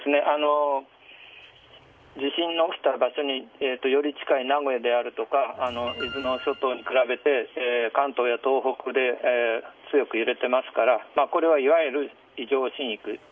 地震の起きた場所により近い名古屋であるとか伊豆諸島に比べると関東や東北で強く揺れていますからこれはいわゆる異常震域。